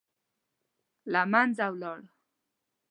له منځه ولاړ.